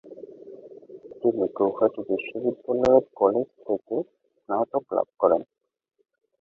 তিনি গৌহাটি বিশ্ববিদ্যালয়ের কলেজ থেকে স্নাতক লাভ করেন।